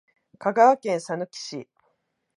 香川県さぬき市